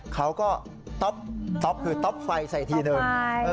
เขาก็ต๊อบต๊อปคือต๊อปไฟใส่ทีหนึ่ง